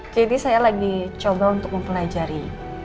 jadi saya lagi coba untuk mempelajari